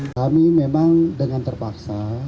kami memang dengan terpaksa